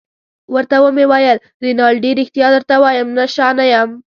ورته ومې ویل: رینالډي ريښتیا درته وایم، نشه نه یم.